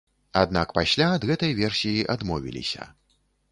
Аднак пасля ад гэтай версіі адмовіліся.